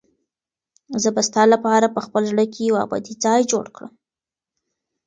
زه به ستا لپاره په خپل زړه کې یو ابدي ځای جوړ کړم.